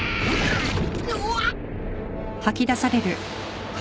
うわっ！？